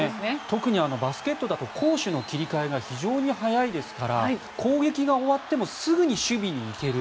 特にバスケットだと攻守の切り替えが非常に速いですから攻撃が終わってもすぐに守備に行ける。